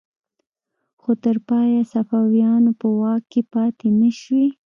خو تر پایه صفویانو په واک کې پاتې نشوې.